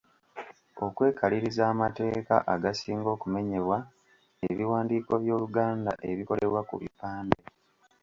Okwekaliriza amateeka agasinga okumenyebwa ebiwandiiko by'Oluganda ebikolebwa ku bipande.